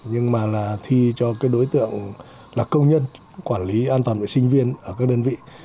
nhưng mà là thi cho cái đối tượng là công nhân quản lý an toàn vệ sinh viên ở các đơn vị